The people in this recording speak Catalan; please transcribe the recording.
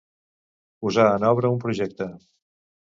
Posar en obra un projecte.